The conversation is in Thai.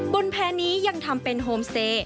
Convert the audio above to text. บนแพร่นี้ยังทำเป็นโฮมสเตย์